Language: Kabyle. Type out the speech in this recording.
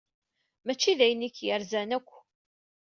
Mačči d ayen i k-yerzan akk.